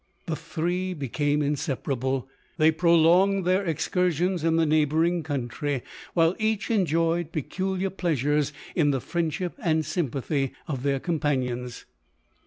The three became inseparable : they prolonged their ex cursions in the neighbouring country ; while each enjoyed peculiar pleasures in the friendship and sympathy of their companions.